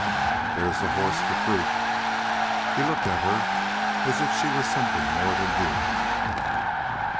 "There's the horse for proof." He looked at her as if she were something more than human.